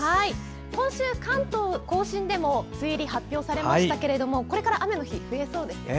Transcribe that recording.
今週、関東・甲信でも梅雨入りが発表されましたけどこれから雨の日増えそうですよね。